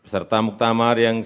serta muktamar yang saya